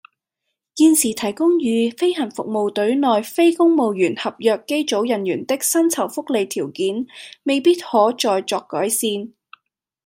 現時提供予飛行服務隊內非公務員合約機組人員的薪酬福利條件，未必可再作改善